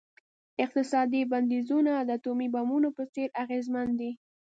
اقتصادي بندیزونه د اټومي بمونو په څیر اغیزمن دي.